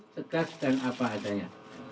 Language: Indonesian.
cekas dan apa adanya